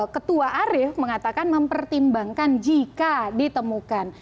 ketua arief mengatakan mempertimbangkan jika ditemukan